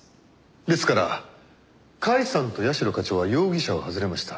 ですから甲斐さんと社課長は容疑者を外れました。